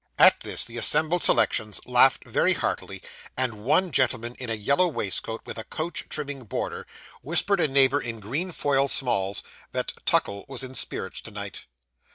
At this, the assembled selections laughed very heartily; and one gentleman in a yellow waistcoat, with a coach trimming border, whispered a neighbour in green foil smalls, that Tuckle was in spirits to night.